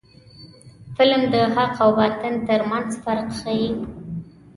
فلم د حق او باطل ترمنځ فرق ښيي